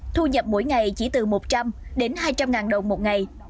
thu nhập mỗi ngày chỉ từ một trăm linh đến hai trăm linh ngàn đồng một ngày